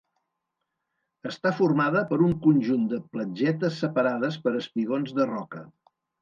Està formada per un conjunt de platgetes separades per espigons de roca.